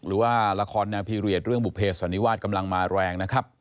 หรือว่าละครแนวพีเรียสเรื่องบุภเพศสันนิวาสกำลังมาแรงนะครับ